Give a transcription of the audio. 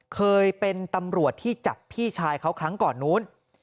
เคยเป็นตำรวจที่จับพี่ชายเขาครั้งก่อนนู้น